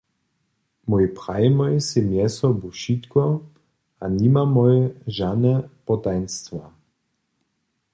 Mój prajimoj sej mjezsobu wšitko a nimamoj žane potajnstwa.